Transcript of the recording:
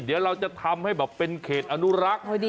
เดี๋ยวเราจะทำให้แบบเป็นเขตอนุรักษ์